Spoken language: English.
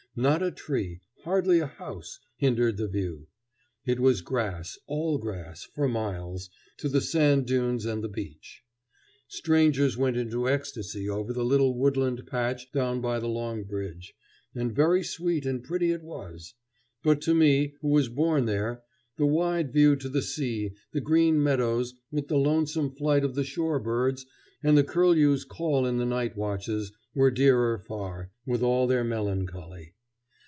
Not a tree, hardly a house, hindered the view. It was grass, all grass, for miles, to the sand dunes and the beach. Strangers went into ecstasy over the little woodland patch down by the Long Bridge, and very sweet and pretty it was; but to me, who was born there, the wide view to the sea, the green meadows, with the lonesome flight of the shore birds and the curlew's call in the night watches, were dearer far, with all their melancholy.